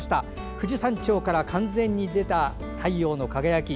富士山頂から完全に出た太陽の輝き。